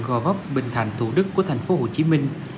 gò vấp bình thạnh thủ đức của thành phố hồ chí minh